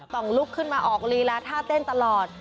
ต่องลุกขึ้นมาออกฬีราธาตุเต้นตลอด